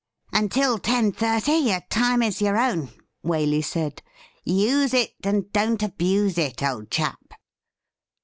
' Until ten thirty your time is yoiu own,' Waley said. ' Use it, and don't abuse it, old chap.'